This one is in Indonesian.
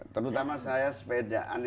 terutama saya sepedahan ini